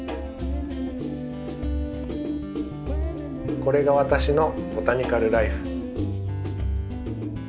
これが私のボタニカル・らいふ。